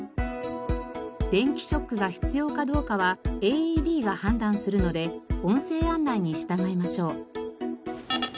電気ショックが必要かどうかはＡＥＤが判断するので音声案内に従いましょう。